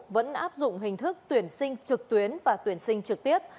vẫn áp dụng hình thức tuyển sinh trực tuyến và tuyển sinh trực tiếp